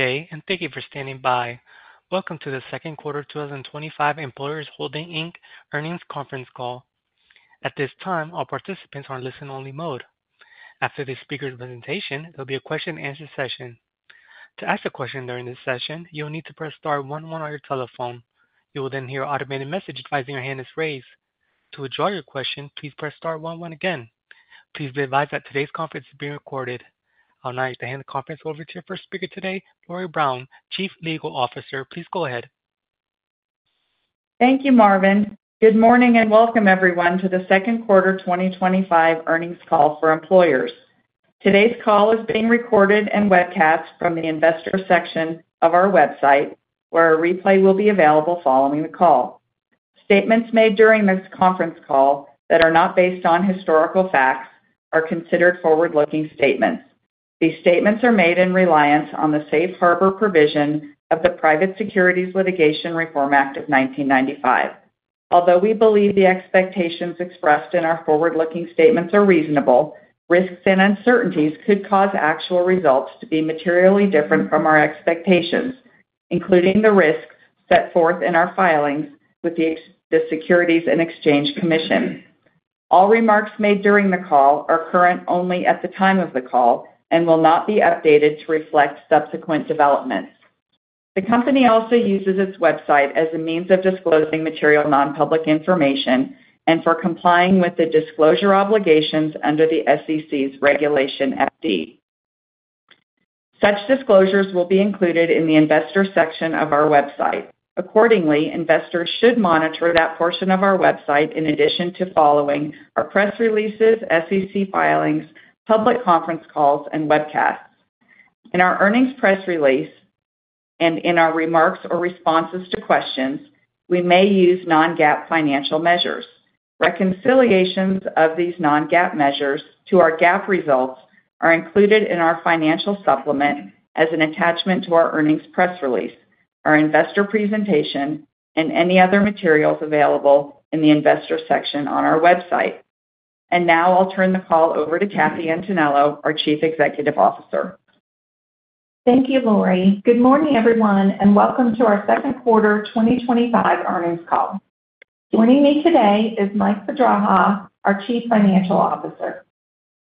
Okay, and thank you for standing by. Welcome to the second quarter 2025 Employers Holdings, Inc. earnings conference call. At this time, all participants are in listen-only mode. After the speaker's presentation, there will be a question-and-answer session. To ask a question during this session, you will need to press *11 on your telephone. You will then hear an automated message advising your hand is raised. To withdraw your question, please press *11 again. Please be advised that today's conference is being recorded. I will now hand the conference over to our first speaker today, Lori Brown, Chief Legal Officer. Please go ahead. Thank you, Marvin. Good morning and welcome, everyone, to the second quarter 2025 earnings call for Employers. Today's call is being recorded and webcast from the investor section of our website, where a replay will be available following the call. Statements made during this conference call that are not based on historical facts are considered forward-looking statements. These statements are made in reliance on the Safe Harbor provision of the Private Securities Litigation Reform Act of 1995. Although we believe the expectations expressed in our forward-looking statements are reasonable, risks and uncertainties could cause actual results to be materially different from our expectations, including the risks set forth in our filings with the Securities and Exchange Commission. All remarks made during the call are current only at the time of the call and will not be updated to reflect subsequent developments. The company also uses its website as a means of disclosing material non-public information and for complying with the disclosure obligations under the SEC's Regulation FD. Such disclosures will be included in the investor section of our website. Accordingly, investors should monitor that portion of our website in addition to following our press releases, SEC filings, public conference calls, and webcasts. In our earnings press release and in our remarks or responses to questions, we may use non-GAAP financial measures. Reconciliations of these non-GAAP measures to our GAAP results are included in our financial supplement as an attachment to our earnings press release, our investor presentation, and any other materials available in the investor section on our website. Now I'll turn the call over to Kathy Antonello, our Chief Executive Officer. Thank you, Lori. Good morning, everyone, and welcome to our second quarter 2025 earnings call. Joining me today is Michael Pedraja, our Chief Financial Officer.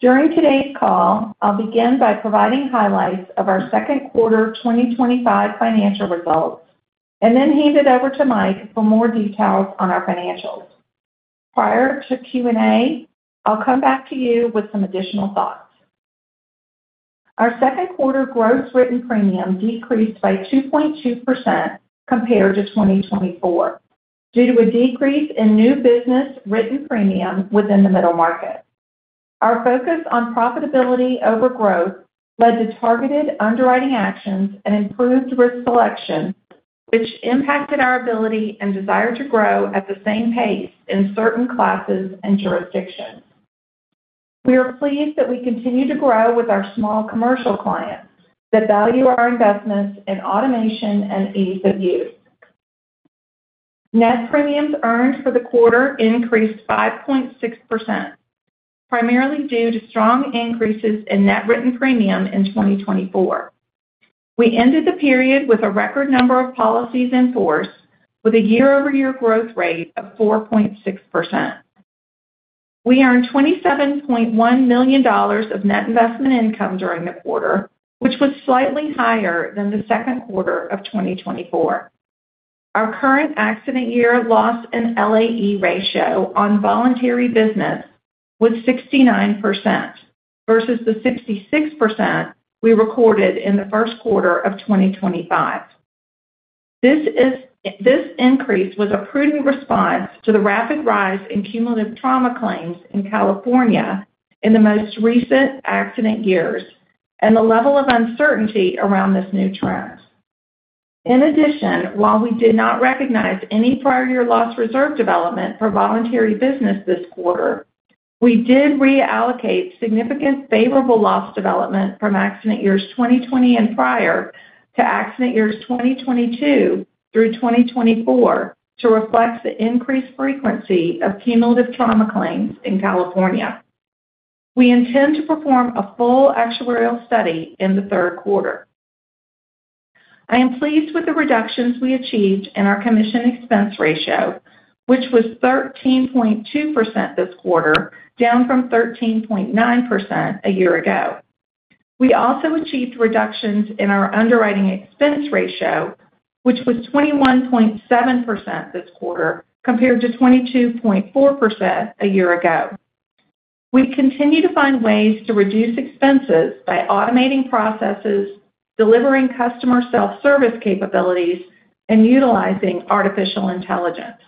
During today's call, I'll begin by providing highlights of our second quarter 2025 financial results and then hand it over to Michael for more details on our financials. Prior to Q&A, I'll come back to you with some additional thoughts. Our second quarter gross written premium decreased by 2.2% compared to 2024 due to a decrease in new business written premium within the middle market. Our focus on profitability over growth led to targeted underwriting actions and improved risk selection, which impacted our ability and desire to grow at the same pace in certain classes and jurisdictions. We are pleased that we continue to grow with our small commercial clients that value our investments in automation and ease of use. Net premiums earned for the quarter increased 5.6%, primarily due to strong increases in net written premium in 2024. We ended the period with a record number of policies in force, with a year-over-year growth rate of 4.6%. We earned $27.1 million of net investment income during the quarter, which was slightly higher than the second quarter of 2024. Our current accident year loss and LAE ratio on voluntary business was 69% versus the 66% we recorded in the first quarter of 2025. This increase was a prudent response to the rapid rise in cumulative trauma claims in California in the most recent accident years and the level of uncertainty around this new trend. In addition, while we did not recognize any prior year loss reserve development for voluntary business this quarter, we did reallocate significant favorable loss development from accident years 2020 and prior to accident years 2022 through 2024 to reflect the increased frequency of cumulative trauma claims in California. We intend to perform a full actuarial study in the third quarter. I am pleased with the reductions we achieved in our commission expense ratio, which was 13.2% this quarter, down from 13.9% a year ago. We also achieved reductions in our underwriting expense ratio, which was 21.7% this quarter compared to 22.4% a year ago. We continue to find ways to reduce expenses by automating processes, delivering customer self-service capabilities, and utilizing artificial intelligence.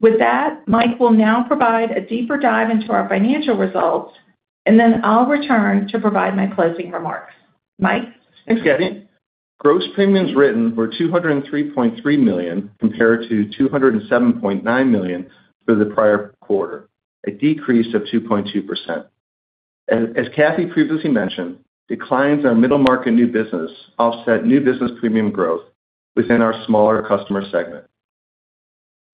With that, Michael will now provide a deeper dive into our financial results, and then I'll return to provide my closing remarks. Michael? Yes, Kathy. Gross premiums written were $203.3 million compared to $207.9 million for the prior quarter, a decrease of 2.2%. As Kathy previously mentioned, declines in our middle market new business offset new business premium growth within our smaller customer segment.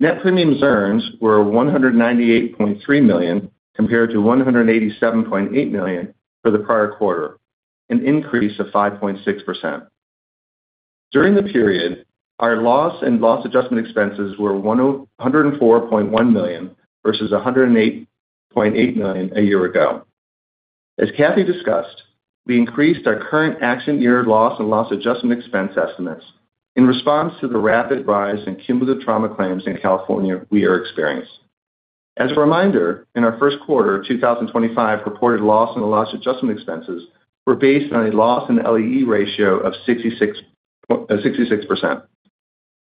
Net premiums earned were $198.3 million compared to $187.8 million for the prior quarter, an increase of 5.6%. During the period, our loss and loss adjustment expenses were $104.1 million versus $108.8 million a year ago. As Kathy discussed, we increased our current accident year loss and loss adjustment expense estimates in response to the rapid rise in cumulative trauma claims in California we are experiencing. As a reminder, in our first quarter, 2025 reported loss and loss adjustment expenses were based on a loss and LAE ratio of 66%.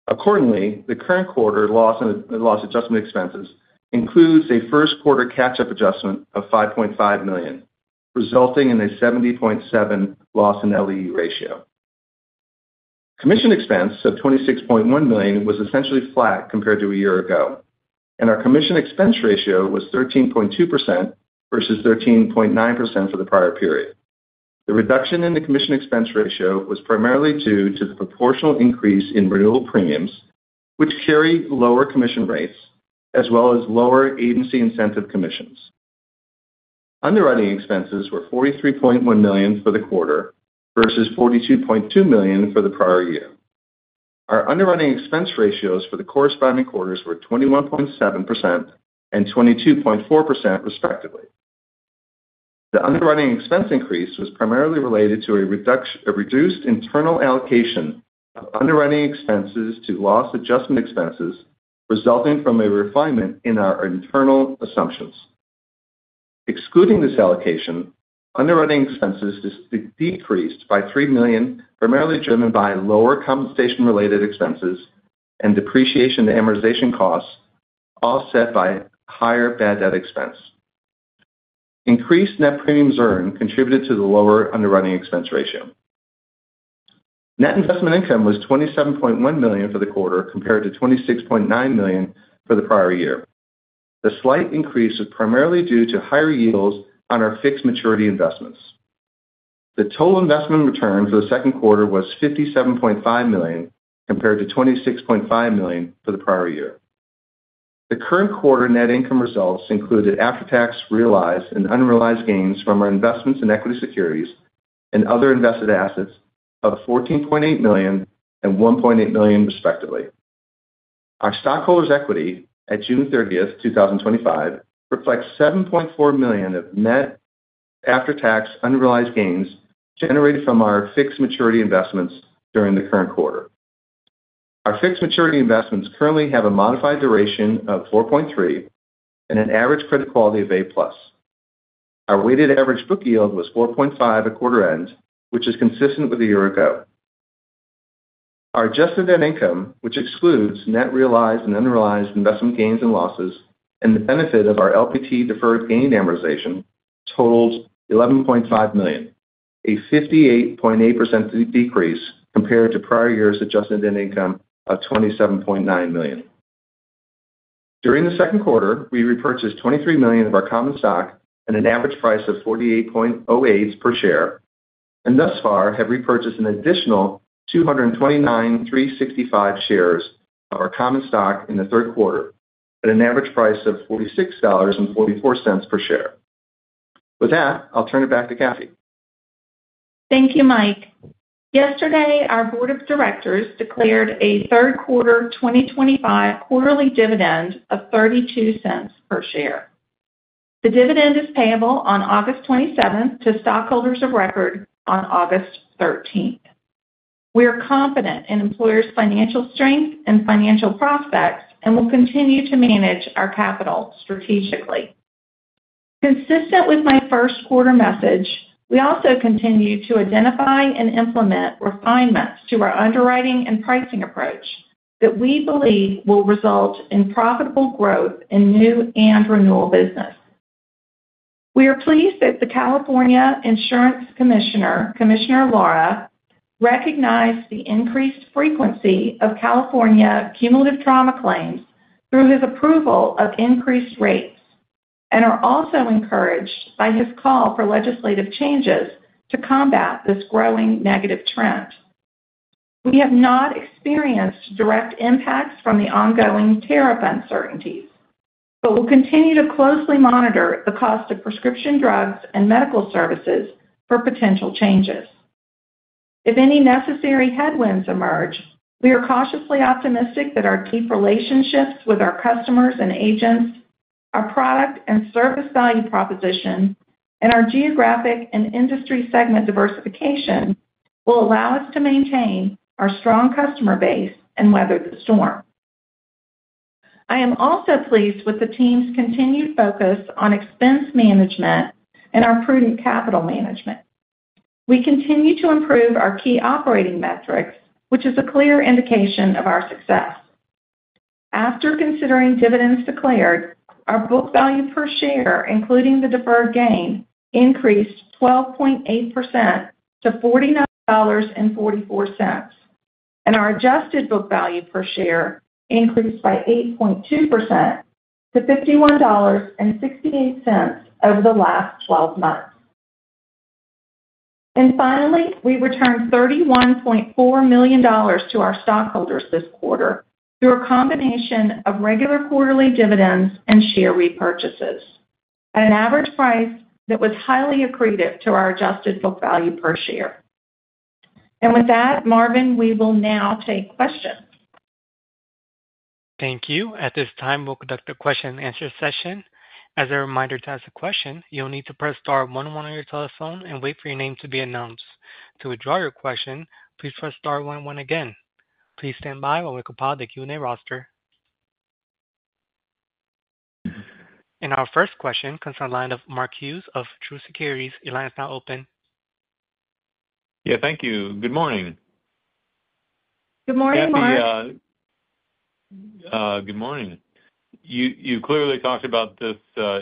Accordingly, the current quarter loss and loss adjustment expenses include a first quarter catch-up adjustment of $5.5 million, resulting in a 70.7% loss and LAE ratio. Commission expense of $26.1 million was essentially flat compared to a year ago, and our commission expense ratio was 13.2% versus 13.9% for the prior period. The reduction in the commission expense ratio was primarily due to the proportional increase in renewable premiums, which carry lower commission rates, as well as lower agency incentive commissions. Underwriting expenses were $43.1 million for the quarter versus $42.2 million for the prior year. Our underwriting expense ratios for the corresponding quarters were 21.7% and 22.4% respectively. The underwriting expense increase was primarily related to a reduced internal allocation of underwriting expenses to loss adjustment expenses resulting from a refinement in our internal assumptions. Excluding this allocation, underwriting expenses decreased by $3 million, primarily driven by lower compensation-related expenses and depreciation amortization costs offset by higher bad debt expense. Increased net premiums earned contributed to the lower underwriting expense ratio. Net investment income was $27.1 million for the quarter compared to $26.9 million for the prior year. The slight increase was primarily due to higher yields on our fixed maturity investments. The total investment return for the second quarter was $57.5 million compared to $26.5 million for the prior year. The current quarter net income results included after-tax, realized, and unrealized gains from our investments in equity securities and other invested assets of $14.8 million and $1.8 million, respectively. Our stockholders' equity at June 30, 2025, reflects $7.4 million of net after-tax unrealized gains generated from our fixed maturity investments during the current quarter. Our fixed maturity investments currently have a modified duration of 4.3 and an average credit quality of A+. Our weighted average book yield was 4.5% at quarter end, which is consistent with a year ago. Our adjusted net income, which excludes net realized and unrealized investment gains and losses and the benefit of our LPT deferred gain amortization, totaled $11.5 million, a 58.8% decrease compared to prior year's adjusted net income of $27.9 million. During the second quarter, we repurchased $23 million of our common stock at an average price of $48.08 per share and thus far have repurchased an additional 229,365 shares of our common stock in the third quarter at an average price of $46.44 per share. With that, I'll turn it back to Kathy. Thank you, Mike. Yesterday, our Board of Directors declared a third quarter 2025 quarterly dividend of $0.32 per share. The dividend is payable on August 27 to stockholders of record on August 13. We are confident in Employers' financial strength and financial prospects and will continue to manage our capital strategically. Consistent with my first quarter message, we also continue to identify and implement refinements to our underwriting and pricing approach that we believe will result in profitable growth in new and renewable business. We are pleased that the California Insurance Commissioner, Commissioner Lara, recognized the increased frequency of California cumulative trauma claims through his approval of increased rates and is also encouraged by his call for legislative changes to combat this growing negative trend. We have not experienced direct impacts from the ongoing tariff uncertainties, but we'll continue to closely monitor the cost of prescription drugs and medical services for potential changes. If any necessary headwinds emerge, we are cautiously optimistic that our deep relationships with our customers and agents, our product and service value proposition, and our geographic and industry segment diversification will allow us to maintain our strong customer base and weather the storm. I am also pleased with the team's continued focus on expense management and our prudent capital management. We continue to improve our key operating metrics, which is a clear indication of our success. After considering dividends declared, our book value per share, including the deferred gain, increased 12.8% to $49.44 and our adjusted book value per share increased by 8.2% to $51.68 over the last 12 months. Finally, we returned $31.4 million to our stockholders this quarter through a combination of regular quarterly dividends and share repurchases at an average price that was highly accretive to our adjusted book value per share. With that, Marvin, we will now take questions. Thank you. At this time, we'll conduct a question-and-answer session. As a reminder, to ask a question, you'll need to press star one one on your telephone and wait for your name to be announced. To withdraw your question, please press star one one again. Please stand by while we compile the Q&A roster. Our first question comes from the line of Mark Hughes of Truist Securities. Your line is now open. Yeah, thank you. Good morning. Good morning, Mark. Good morning. You clearly talked about this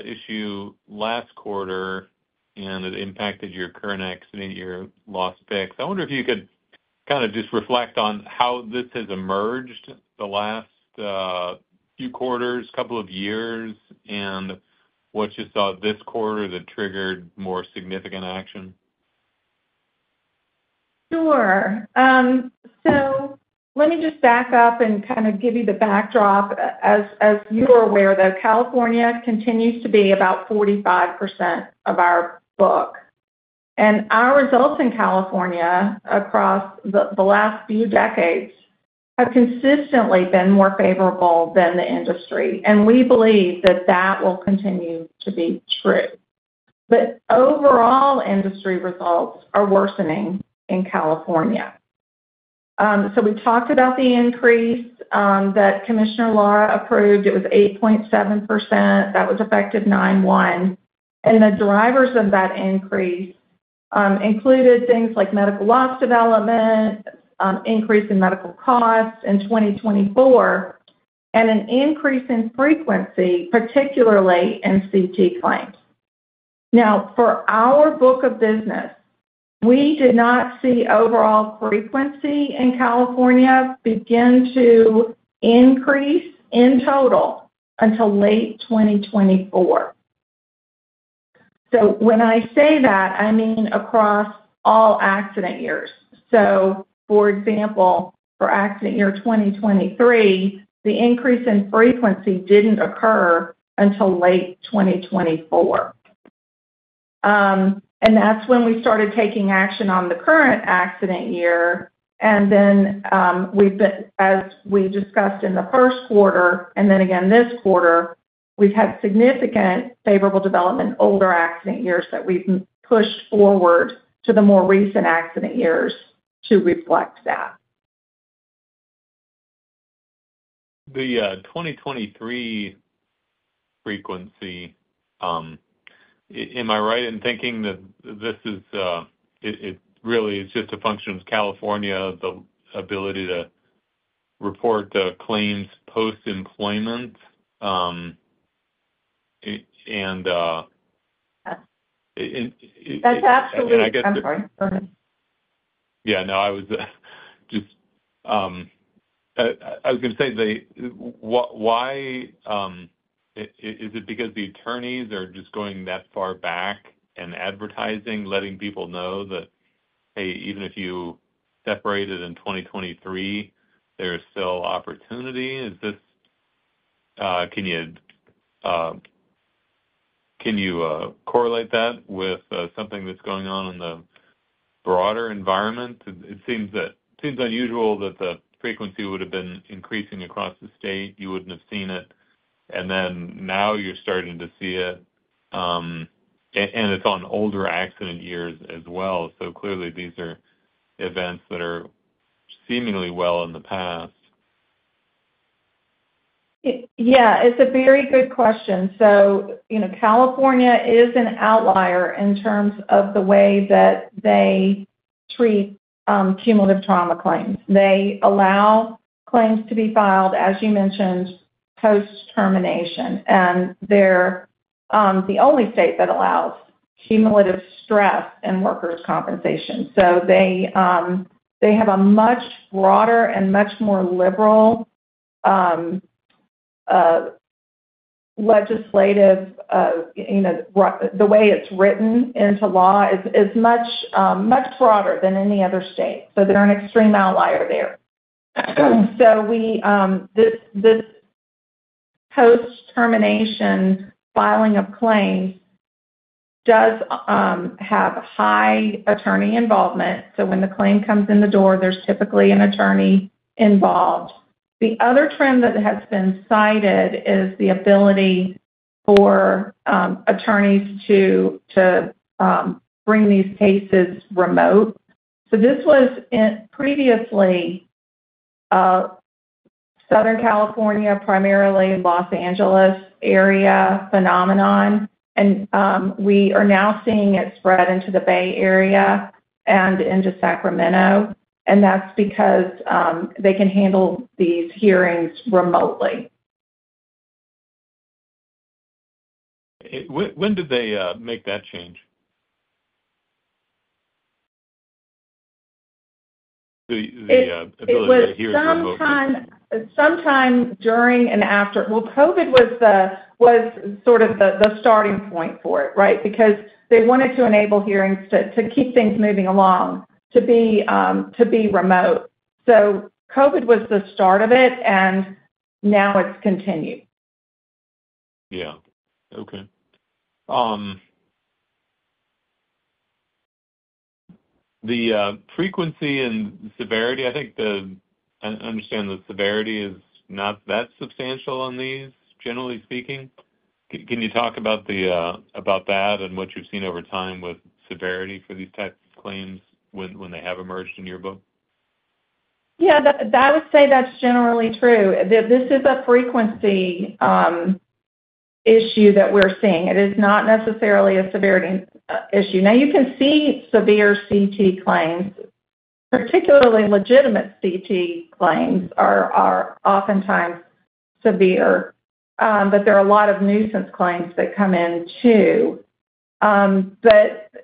issue last quarter, and it impacted your current accident year loss fix. I wonder if you could kind of just reflect on how this has emerged the last few quarters, a couple of years, and what you saw this quarter that triggered more significant action. Sure. Let me just back up and kind of give you the backdrop. As you are aware, though, California continues to be about 45% of our book. Our results in California across the last few decades have consistently been more favorable than the industry. We believe that that will continue to be true. Overall, industry results are worsening in California. We talked about the increase that Commissioner Lara approved. It was 8.7%. That was effective 9/1. The drivers of that increase included things like medical loss development, increase in medical costs in 2024, and an increase in frequency, particularly in CT claims. For our book of business, we did not see overall frequency in California begin to increase in total until late 2024. When I say that, I mean across all accident years. For example, for accident year 2023, the increase in frequency didn't occur until late 2024. That's when we started taking action on the current accident year. As we discussed in the first quarter and then again this quarter, we've had significant favorable development in older accident years that we've pushed forward to the more recent accident years to reflect that. The 2023 frequency, am I right in thinking that this is, it really is just a function of California's ability to report claims post-employment? That's absolutely. I'm sorry. I was going to say, why is it because the attorneys are just going that far back and advertising, letting people know that, hey, even if you separated in 2023, there's still opportunity? Is this, can you correlate that with something that's going on in the broader environment? It seems unusual that the frequency would have been increasing across the state. You wouldn't have seen it. Now you're starting to see it, and it's on older accident years as well. Clearly, these are events that are seemingly well in the past. Yeah, it's a very good question. California is an outlier in terms of the way that they treat cumulative trauma claims. They allow claims to be filed, as you mentioned, post-termination. They're the only state that allows cumulative stress in workers' compensation. They have a much broader and much more liberal legislative, you know, the way it's written into law is much, much broader than any other state. They're an extreme outlier there. This post-termination filing of claim does have high attorney involvement. When the claim comes in the door, there's typically an attorney involved. The other trend that has been cited is the ability for attorneys to bring these cases remote. This was previously a Southern California, primarily in the Los Angeles area, phenomenon. We are now seeing it spread into the Bay Area and into Sacramento, and that's because they can handle these hearings remotely. When did they make that change? It was sometime during and after. COVID was sort of the starting point for it, right? Because they wanted to enable hearings to keep things moving along, to be remote. COVID was the start of it, and now it's continued. Okay. The frequency and severity, I think the I understand that severity is not that substantial on these, generally speaking. Can you talk about that and what you've seen over time with severity for these types of claims when they have emerged in your book? Yeah, I would say that's generally true. This is a frequency issue that we're seeing. It is not necessarily a severity issue. You can see severe CT claims, particularly legitimate CT claims, are oftentimes severe. There are a lot of nuisance claims that come in too.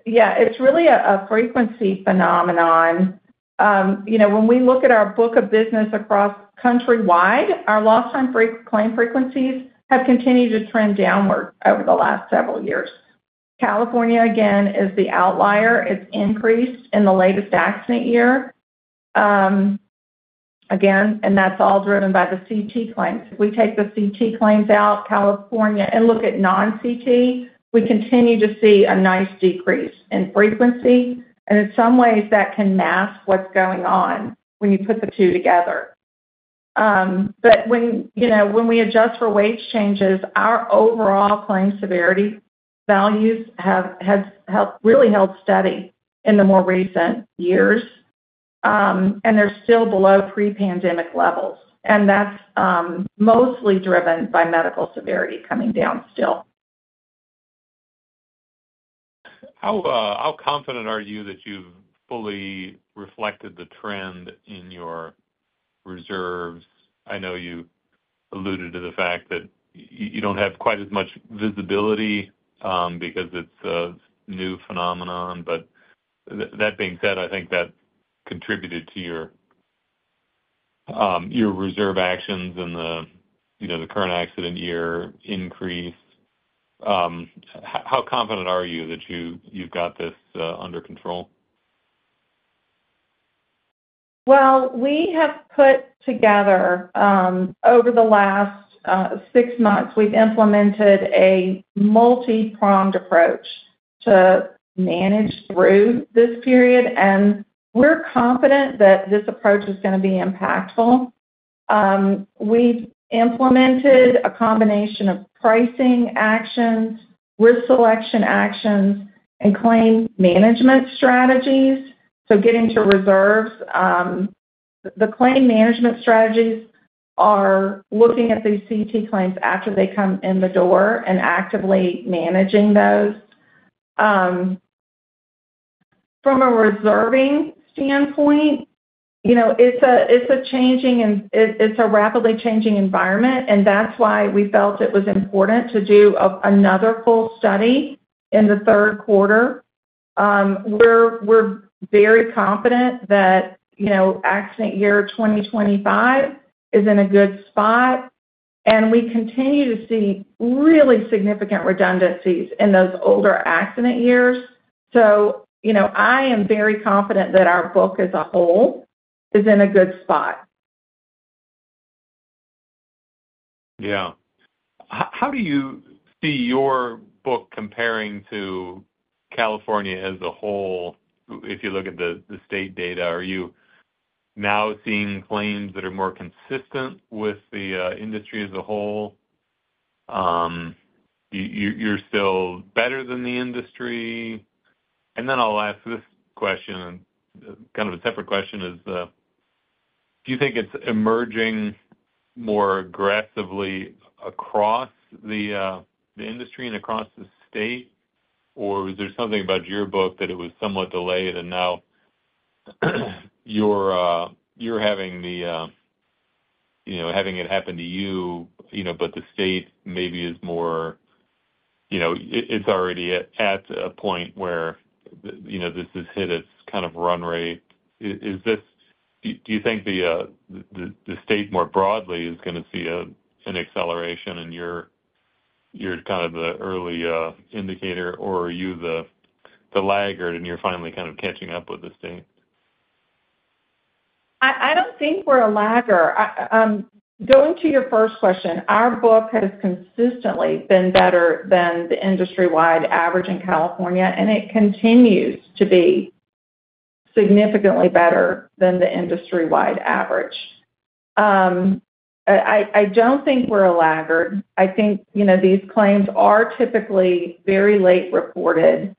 Yeah, it's really a frequency phenomenon. When we look at our book of business across countrywide, our lost time claim frequencies have continued to trend downward over the last several years. California, again, is the outlier. It's increased in the latest accident year. That's all driven by the CT claims. We take the CT claims out, California, and look at non-CT, we continue to see a nice decrease in frequency. In some ways, that can mask what's going on when you put the two together. When we adjust for wage changes, our overall claim severity values have really held steady in the more recent years. They're still below pre-pandemic levels. That's mostly driven by medical severity coming down still. How confident are you that you've fully reflected the trend in your reserves? I know you alluded to the fact that you don't have quite as much visibility because it's a new phenomenon. That being said, I think that contributed to your reserve actions and the current accident year increase. How confident are you that you've got this under control? Over the last six months, we've implemented a multi-pronged approach to manage through this period, and we're confident that this approach is going to be impactful. We've implemented a combination of pricing actions, risk selection actions, and claim management strategies. Getting to reserves, the claim management strategies are looking at these CT claims after they come in the door and actively managing those. From a reserving standpoint, it's a changing and it's a rapidly changing environment. That's why we felt it was important to do another full study in the third quarter. We're very confident that accident year 2025 is in a good spot, and we continue to see really significant redundancies in those older accident years. I am very confident that our book as a whole is in a good spot. How do you see your book comparing to California as a whole? If you look at the state data, are you now seeing claims that are more consistent with the industry as a whole? You're still better than the industry? I’ll ask this question, and kind of a separate question is, do you think it's emerging more aggressively across the industry and across the state, or is there something about your book that it was somewhat delayed and now you're having it happen to you, you know, but the state maybe is more, you know, it's already at a point where, you know, this has hit its kind of runway? Do you think the state more broadly is going to see an acceleration and you're kind of the early indicator, or are you the laggard and you're finally kind of catching up with the state? I don't think we're a laggard. Going to your first question, our book has consistently been better than the industry-wide average in California, and it continues to be significantly better than the industry-wide average. I don't think we're a laggard. I think these claims are typically very late reported.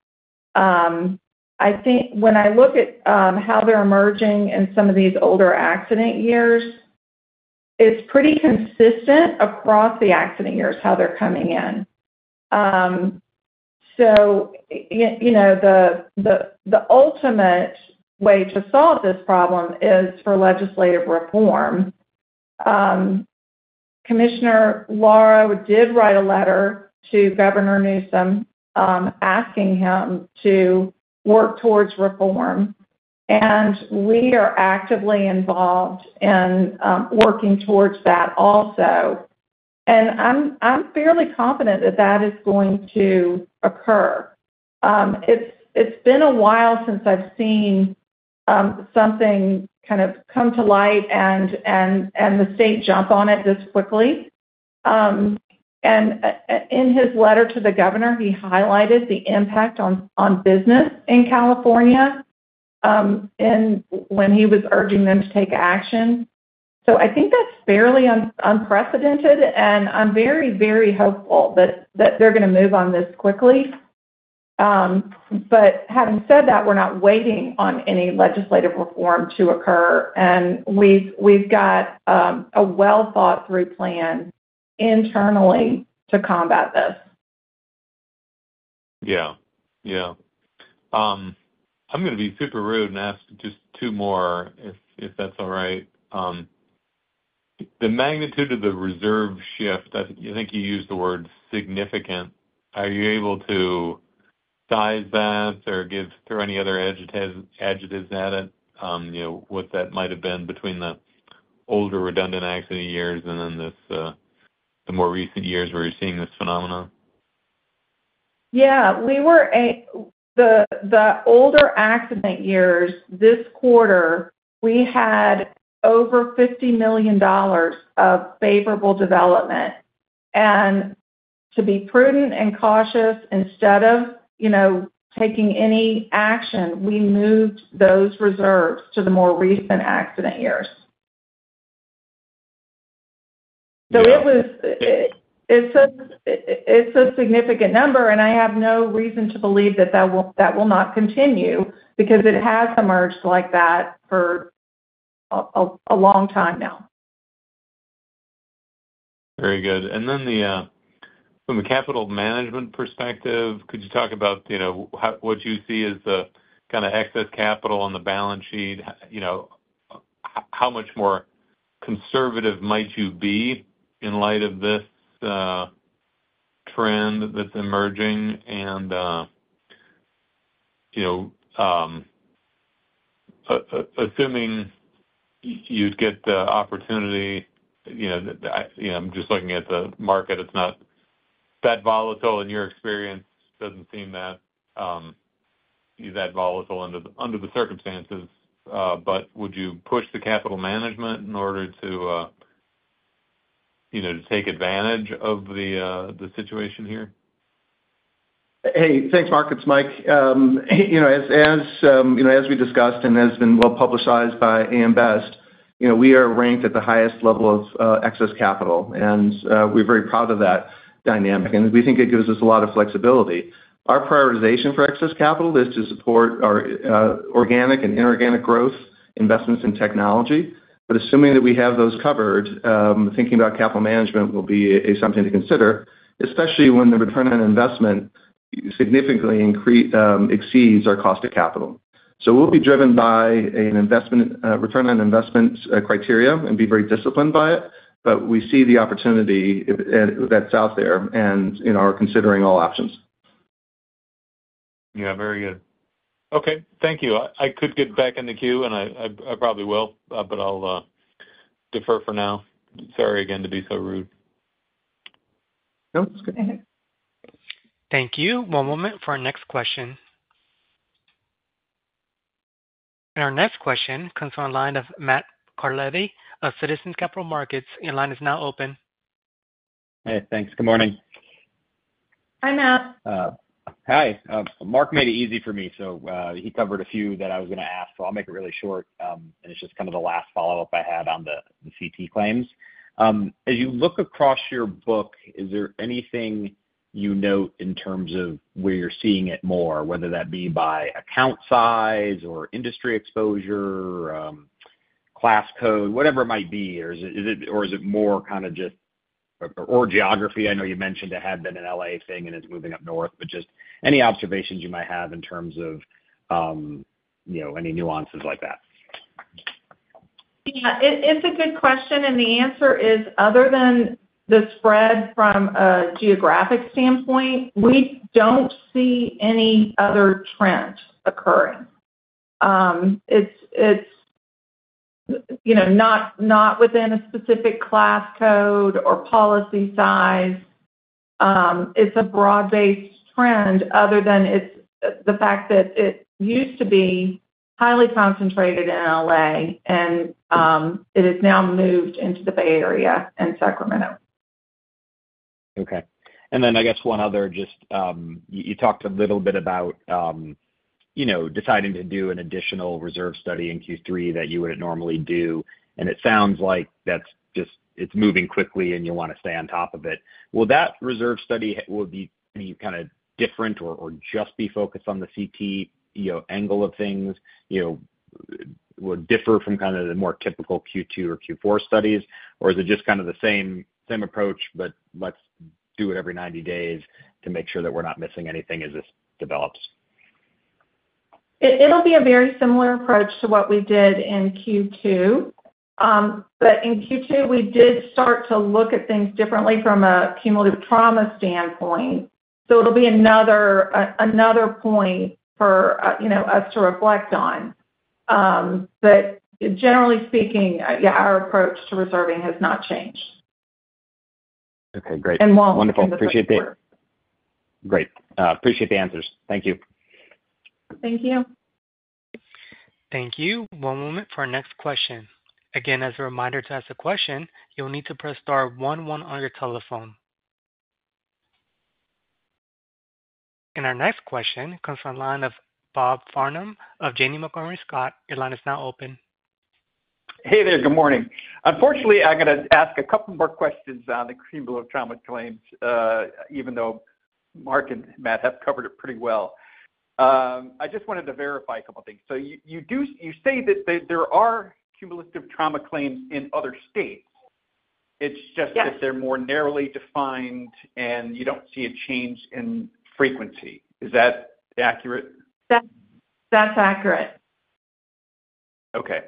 I think when I look at how they're emerging in some of these older accident years, it's pretty consistent across the accident years how they're coming in. The ultimate way to solve this problem is for legislative reform. Commissioner Lara did write a letter to Governor Newsom asking him to work towards reform. We are actively involved in working towards that also. I'm fairly confident that that is going to occur. It's been a while since I've seen something kind of come to light and the state jump on it this quickly. In his letter to the governor, he highlighted the impact on business in California when he was urging them to take action. I think that's fairly unprecedented. I'm very, very hopeful that they're going to move on this quickly. Having said that, we're not waiting on any legislative reform to occur. We've got a well-thought-through plan internally to combat this. Yeah. Yeah. I'm going to be super rude and ask just two more if that's all right. The magnitude of the reserve shift, I think you used the word significant. Are you able to size that or give through any other adjectives at it? You know what that might have been between the older redundant accident years and then this, the more recent years where you're seeing this phenomenon? We were the older accident years this quarter, we had over $50 million of favorable development. To be prudent and cautious, instead of taking any action, we moved those reserves to the more recent accident years. It was a significant number, and I have no reason to believe that that will not continue because it has emerged like that for a long time now. Very good. From a capital management perspective, could you talk about what you see as the kind of excess capital on the balance sheet? How much more conservative might you be in light of this trend that's emerging? Assuming you'd get the opportunity, I'm just looking at the market. It's not that volatile in your experience. It doesn't seem that volatile under the circumstances. Would you push the capital management in order to take advantage of the situation here? Hey, thanks, Mark. It's Mike. As we discussed and as has been well-publicized by AM Best, we are ranked at the highest level of excess capital. We're very proud of that dynamic, and we think it gives us a lot of flexibility. Our prioritization for excess capital is to support our organic and inorganic growth investments in technology. Assuming that we have those covered, thinking about capital management will be something to consider, especially when the return on investment significantly exceeds our cost of capital. We will be driven by an investment return on investment criteria and be very disciplined by it. We see the opportunity that's out there and are considering all options. Yeah, very good. Okay, thank you. I could get back in the queue, and I probably will, but I'll defer for now. Sorry again to be so rude. No, that's good. Thank you. One moment for our next question. Our next question comes from the line of Matt Carletti of Citizens Capital Markets. Your line is now open. Hey, thanks. Good morning. Hi, Matt. Mark made it easy for me. He covered a few that I was going to ask. I'll make it really short. It's just kind of the last follow-up I had on the cumulative trauma (CT) claims. As you look across your book, is there anything you note in terms of where you're seeing it more, whether that be by account size or industry exposure, class code, whatever it might be? Is it more kind of just geography? I know you mentioned it had been a Los Angeles thing and it's moving up north, but just any observations you might have in terms of any nuances like that? Yeah, it's a good question. The answer is, other than the spread from a geographic standpoint, we don't see any other trend occurring. It's not within a specific class code or policy size. It's a broad-based trend, other than the fact that it used to be highly concentrated in Los Angeles, and it has now moved into the Bay Area and Sacramento. Okay. I guess one other, just you talked a little bit about, you know, deciding to do an additional reserve study in Q3 that you wouldn't normally do. It sounds like that's just it's moving quickly and you want to stay on top of it. Will that reserve study be any kind of different or just be focused on the CT, you know, angle of things? Would it differ from kind of the more typical Q2 or Q4 studies? Is it just kind of the same approach, but let's do it every 90 days to make sure that we're not missing anything as this develops? It'll be a very similar approach to what we did in Q2. In Q2, we did start to look at things differently from a cumulative trauma standpoint. It'll be another point for us to reflect on. Generally speaking, yeah, our approach to reserving has not changed. Okay. Great. Wonderful. Appreciate the answers. Thank you. Thank you. Thank you. One moment for our next question. As a reminder, to ask a question, you'll need to press star one one on your telephone. Our next question comes from the line of Bob Farnam of Janney Montgomery Scott. Your line is now open. Hey there. Good morning. Unfortunately, I'm going to ask a couple more questions on the cumulative trauma claims, even though Mark and Matt have covered it pretty well. I just wanted to verify a couple of things. You say that there are cumulative trauma claims in other states. It's just that they're more narrowly defined and you don't see a change in frequency. Is that accurate? That's accurate. Okay.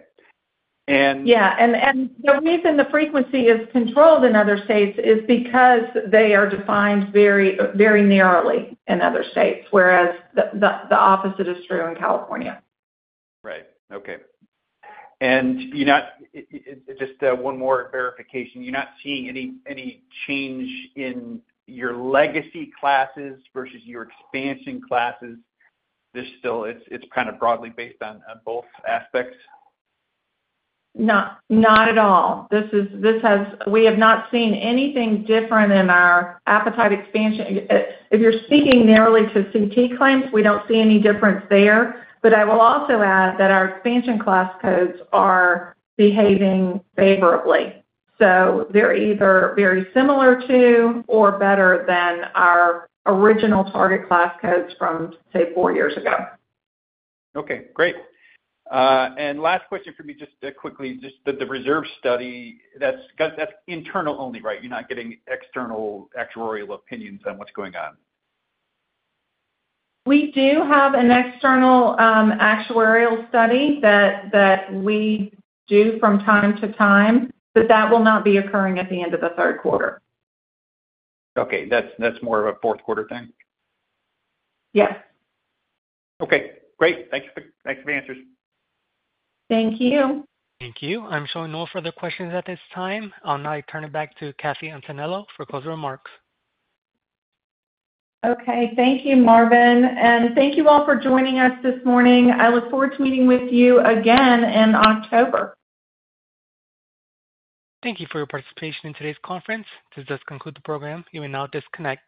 The reason the frequency is controlled in other states is because they are defined very, very narrowly in other states, whereas the opposite is true in California. Right. Okay. You're not seeing any change in your legacy classes versus your expansion classes. There's still, it's kind of broadly based on both aspects? Not at all. This has, we have not seen anything different in our appetite expansion. If you're speaking narrowly to CT claims, we don't see any difference there. I will also add that our expansion class codes are behaving favorably. They're either very similar to or better than our original target class codes from, say, four years ago. Great. Last question for me, just quickly, the reserve study, that's internal only, right? You're not getting external actuarial opinions on what's going on? We do have an external actuarial study that we do from time to time, but that will not be occurring at the end of the third quarter. Okay. That's more of a fourth quarter thing? Yeah. Okay. Great. Thanks for the answers. Thank you. Thank you. I'm showing no further questions at this time. I'll now turn it back to Kathy Antonello for closing remarks. Thank you, Marvin. Thank you all for joining us this morning. I look forward to meeting with you again in October. Thank you for your participation in today's conference. This does conclude the program. You may now disconnect.